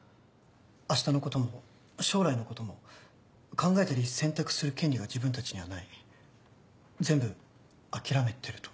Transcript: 明日のことも将来のことも考えたり選択する権利が自分たちにはない全部諦めてると。